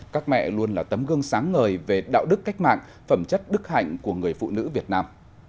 các mẹ luôn là tấm gương sáng ngời về đạo đức cách mạng phẩm chất đức hạnh của người phụ nữ việt nam